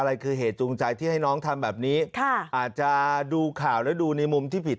อะไรคือเหตุจูงใจที่ให้น้องทำแบบนี้ค่ะอาจจะดูข่าวและดูในมุมที่ผิด